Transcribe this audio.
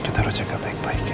kita harus jaga baik baik ya